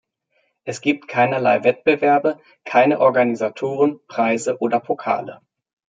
Es gibt keinerlei Wettbewerbe, keine Organisatoren, Preise oder Pokale.